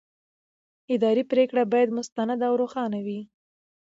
اداري پرېکړه باید مستنده او روښانه وي.